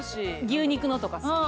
牛肉のとか好き。